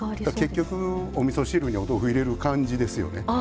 結局、おみそ汁にお豆腐を入れる感じですよね。